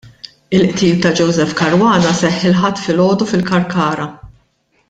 Il-qtil ta' Joseph Caruana seħħ il-Ħadd filgħodu fil-Kalkara.